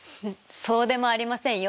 そうでもありませんよ。